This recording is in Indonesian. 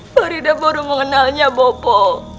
farida baru mengenalnya bopo